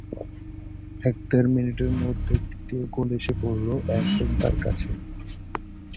এক-দেড় মিনিটের মধ্যে তৃতীয় গোলা এসে পড়ল একদম তার কাছে।